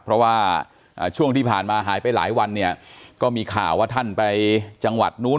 เพราะว่าช่วงที่ผ่านมาหายไปหลายวันเนี่ยก็มีข่าวว่าท่านไปจังหวัดนู้น